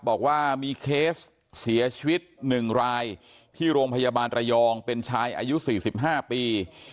บอกว่ามีเคสเสียชีวิต๑รายที่โรงพยาบาลระยองเป็นชายอายุ๔๕ปี